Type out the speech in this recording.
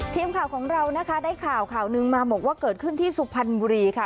ทีมข่าวของเรานะคะได้ข่าวข่าวหนึ่งมาบอกว่าเกิดขึ้นที่สุพรรณบุรีค่ะ